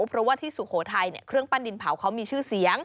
เพราะว่าที่สุโขทัยเครื่องปั้นดินเผาเขามีชื่อเสียง